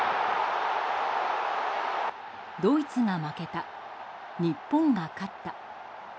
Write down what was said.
ドイツが負けた日本が勝った。